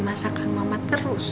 masakan mama terus